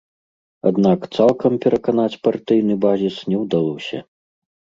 Аднак цалкам пераканаць партыйны базіс не ўдалося.